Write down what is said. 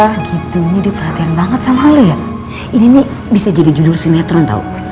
segitunya diperhatikan banget sama lo ya ini nih bisa jadi judul sinetron tau